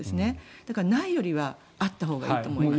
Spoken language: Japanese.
だから、ないよりはあったほうがいいと思います。